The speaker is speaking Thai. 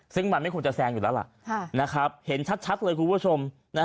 ซึ่งมันไม่ควรจะแซงอยู่แล้วล่ะเห็นชัดเลยคุณผู้ชม